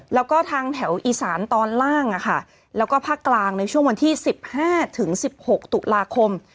แล้วก็ทางแถวอีสานตอนล่างแล้วก็ภาคกลางในช่วงวันที่๑๕๑๖ตุลาคม